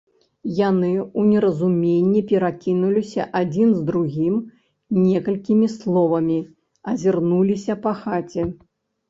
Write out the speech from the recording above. Яны ў неразуменні перакінуліся адзін з другім некалькімі словамі, азірнуліся па хаце.